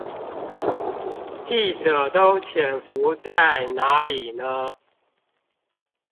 記者都潛伏在哪裡呢？